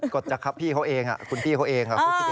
กฎจากพี่เขาเองค่ะคุณพี่เขาเองค่ะ